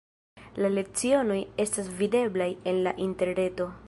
La lecionoj estas videblaj en la interreto.